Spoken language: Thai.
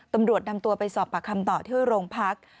ตำรวจนำตัวไปสอบปากคำต่อที่โรงพัก